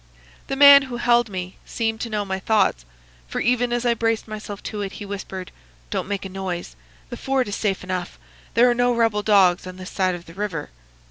The man who held me seemed to know my thoughts; for, even as I braced myself to it, he whispered, 'Don't make a noise. The fort is safe enough. There are no rebel dogs on this side of the river.